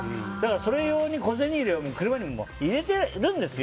それ用に小銭入れを車に入れてるんですよ。